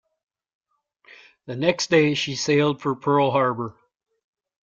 The next day she sailed for Pearl Harbor.